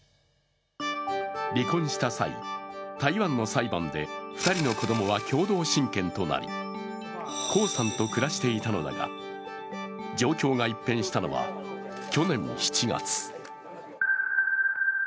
離婚した際、台湾の裁判で２人の子供は共同親権となり江さんと暮らしていたのだが、状況が一変したのは去年７月。